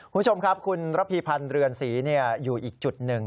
คุณผู้ชมครับคุณระพีพันธ์เรือนศรีอยู่อีกจุดหนึ่ง